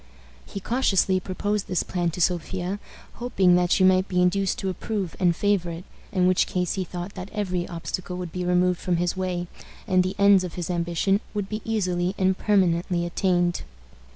He cautiously proposed this plan to Sophia, hoping that she might be induced to approve and favor it, in which case he thought that every obstacle would be removed from his way, and the ends of his ambition would be easily and permanently attained.